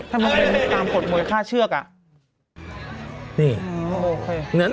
ทำโดยฆาตเชือก